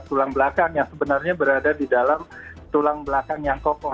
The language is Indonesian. tulang belakang yang sebenarnya berada di dalam tulang belakang yang kokoh